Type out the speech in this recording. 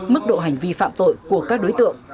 mức độ hành vi phạm tội của các đối tượng